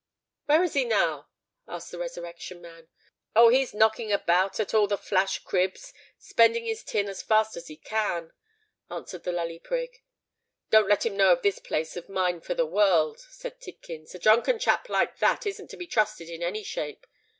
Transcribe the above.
"Where is he now?" asked the Resurrection Man. "Oh! he's knocking about at all the flash cribs, spending his tin as fast as he can," answered the Lully Prig. "Don't let him know of this place of mine for the world," said Tidkins. "A drunken chap like that isn't to be trusted in any shape.